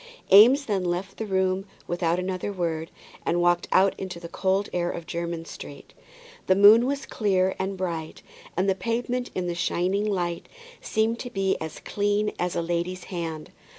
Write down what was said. Eames then left the room without another word, and walked out into the cold air of Jermyn Street. The moon was clear and bright, and the pavement in the shining light seemed to be as clean as a lady's hand.